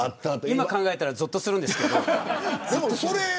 今考えたらぞっとするんですけど。